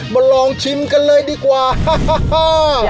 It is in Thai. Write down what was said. มาลองชิมกันเลยดีกว่าฮ่า